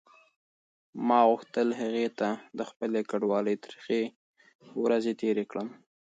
ما غوښتل چې هغې ته د خپلې کډوالۍ ترخې ورځې تېرې کړم.